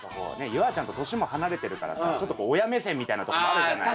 夕空ちゃんと年も離れてるからさちょっとこう親目線みたいなとこもあるじゃない。